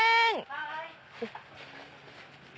はい！